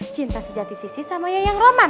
cinta sejati sisi sama yayang roman